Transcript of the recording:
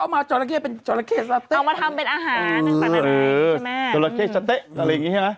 อืมจราเค่สะเต้อะไรอย่างงี้ใช่ไหม